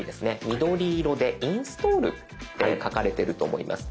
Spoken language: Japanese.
緑色で「インストール」って書かれてると思います。